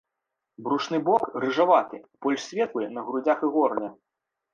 Брушны бок рыжаваты, больш светлы на грудзях і горле.